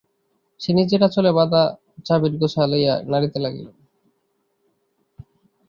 সে নিজের আঁচলে বাঁধা চাবির গোছা লইয়া নাড়িতে লাগিল।